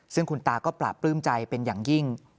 ซึ่งคุณตาก็ปราบปลื้มใจเป็นอย่างยิ่ง